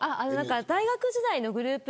大学時代のグループ